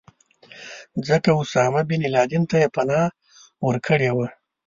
ځکه اسامه بن لادن ته یې پناه ورکړې وه.